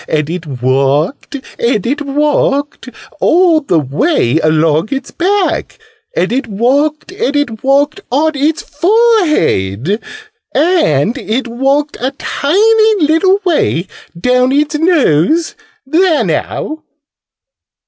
And it walked and it walked all the way along its back. And it walked and it walked on its forehead. And it walked a tiny little way down its nose! There now!"